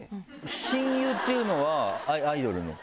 親友っていうのはアイドルの子？